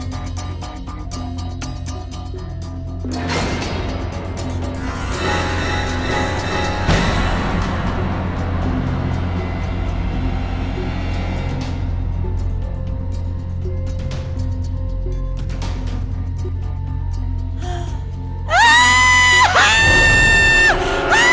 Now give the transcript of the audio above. suara gemelannya dari mana sih